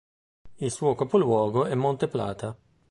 Il suo capoluogo è Monte Plata.